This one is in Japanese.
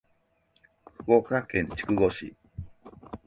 福岡県筑後市